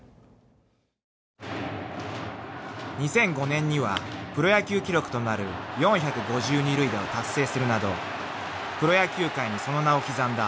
［２００５年にはプロ野球記録となる４５０二塁打を達成するなどプロ野球界にその名を刻んだ］